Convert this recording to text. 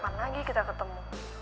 kenapa lagi kita ketemu